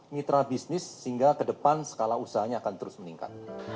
mitra bisnis sehingga ke depan skala usahanya akan terus meningkat